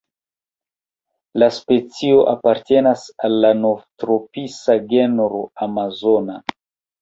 La specio apartenas al la Novtropisa genro "Amazona".